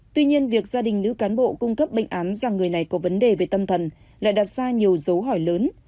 tuy nhiên việc gia đình nữ cán bộ cung cấp bệnh án rằng người này có vấn đề về tâm thần lại đặt ra nhiều dấu hỏi lớn